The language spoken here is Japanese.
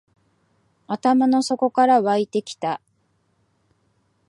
頭の底から湧いてきた